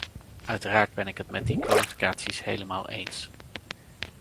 Uiteraard ben ik het met die kwalificaties helemaal eens.